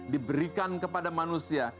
diberikan kepada manusia